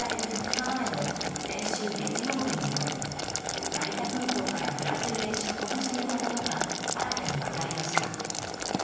２日前の先週月曜日の夜成田空港からブラジルへ出国していたことが新たに分かりました。